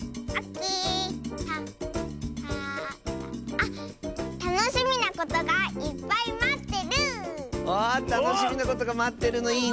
あたのしみなことがまってるのいいね！